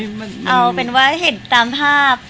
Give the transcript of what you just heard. เอาเป็นว่าเห็นตามภาพ